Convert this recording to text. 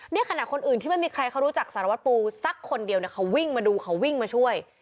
เนี่ยขณะคนอื่นที่ไม่มีใครเขารู้จักสารวัตรปูสักคนเดียวเนี่ยเขาวิ่งมาดูเขาวิ่งมาช่วย